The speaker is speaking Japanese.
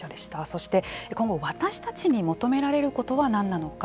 そして今後、私たちに求められることは何なのか。